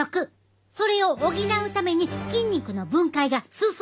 それを補うために筋肉の分解が進んでしまうねん。